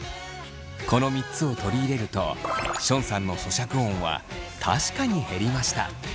この３つを取り入れるとションさんの咀嚼音は確かに減りました。